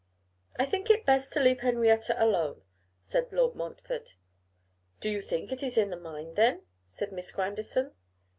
'I think it best to leave Henrietta alone,' said Lord Montfort. 'Do you think it is the mind, then?' said Miss Grandison.